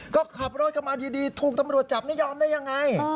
ก็ขับรถกลับมาดีถูกตำรวจจับนี่ยอมได้ยังไง